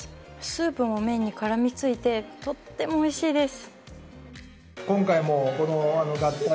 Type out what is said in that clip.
スープも麺に絡みついてとてもおいしいです。